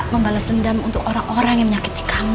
membalas dendam untuk orang orang yang menyakiti kami